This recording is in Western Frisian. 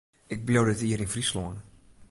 Ik bliuw dit jier yn Fryslân.